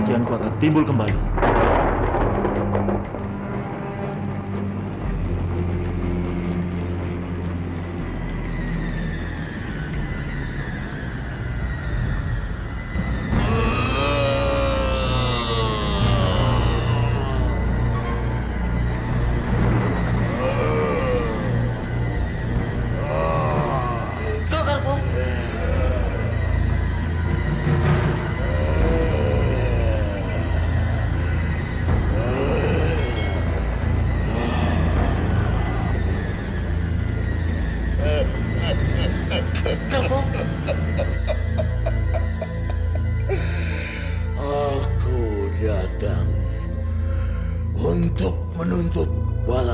sampai jumpa di video selanjutnya